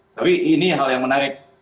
tapi ini hal yang menarik